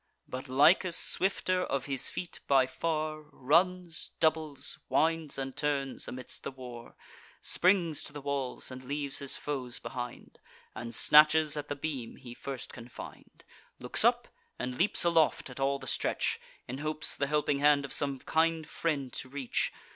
But Lycus, swifter of his feet by far, Runs, doubles, winds and turns, amidst the war; Springs to the walls, and leaves his foes behind, And snatches at the beam he first can find; Looks up, and leaps aloft at all the stretch, In hopes the helping hand of some kind friend to reach.